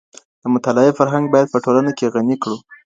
د مطالعې فرهنګ باید په ټولنه کي غني کړو.